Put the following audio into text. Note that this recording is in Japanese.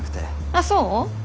あっそう？